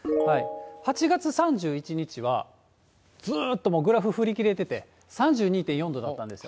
８月３１日は、ずっとグラフ振り切れてて、３２．４度だったんですよ。